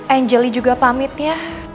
angel i juga pamit ya